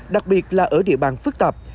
đặc biệt là ở địa bàn phức tạp